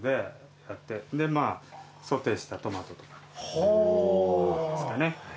まぁソテーしたトマトとかですかね。